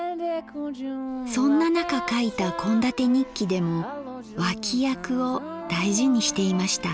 そんな中書いた献立日記でも「脇役」を大事にしていました。